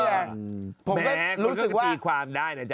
แม่ก็ตีความได้นะจ๊ะ